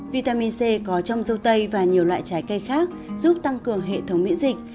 vitamin c có trong dâu tây và nhiều loại trái cây khác giúp tăng cường hệ thống miễn dịch